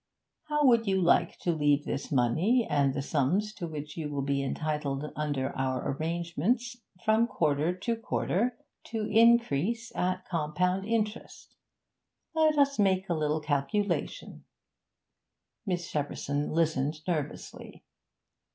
How would you like to leave this money, and the sums to which you will be entitled under our arrangements, from quarter to quarter, to increase at compound interest? Let us make a little calculation ' Miss Shepperson listened nervously.